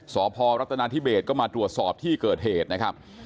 สพรัฐนาธิเบสก็มาตรวจสอบที่เกิดเหตุนะครับ